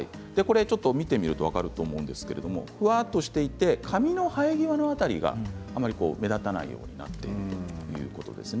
見てみると分かると思うんですけどふわっとしていて髪の生え際の辺りがあまり目立たないようになっているということです。